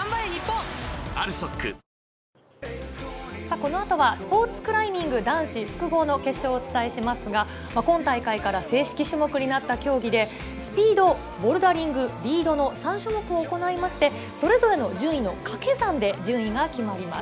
このあとはスポーツクライミング男子複合の決勝をお伝えしますが今大会から正式種目になった競技でスピード、ボルダリングリードの３種目を行いましてそれぞれの順位のかけ算で順位が決まります。